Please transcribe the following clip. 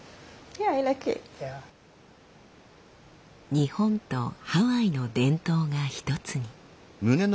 日本とハワイの伝統が一つに。